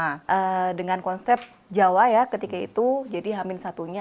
nah dengan konsep jawa ya ketika itu jadi hamin satunya